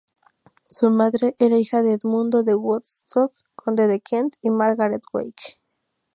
Su madre era hija de Edmundo de Woodstock, Conde de Kent, y Margaret Wake.